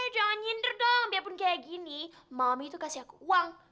jangan nyinder dong biarpun kayak gini mami itu kasih aku uang